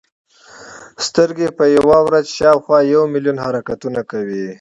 سترګې په یوه ورځ شاوخوا یو ملیون حرکتونه کوي.